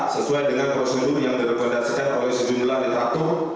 sesuai dengan prosedur yang direkomendasikan oleh sejumlah literatur